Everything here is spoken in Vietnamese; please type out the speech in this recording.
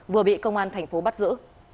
vừa bị công an thành phố bắt giữ